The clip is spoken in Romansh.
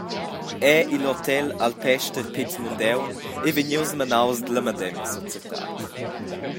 Era il hotel alpester Péz Mundaun ei vegnius menaus dalla medema societad.